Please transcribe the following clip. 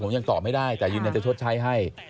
ผมยังตอบไม่ได้แต่ยืนยันจะชดใช้ให้